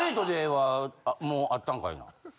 もうあったんかいな？